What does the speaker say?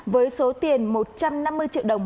với số tiền một trăm năm mươi triệu đồng